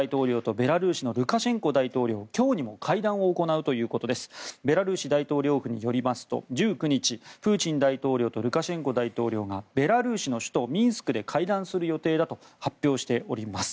ベラルーシ大統領府によりますと１９日、プーチン大統領とルカシェンコ大統領がベラルーシの首都ミンスクで会談する予定だと発表しております。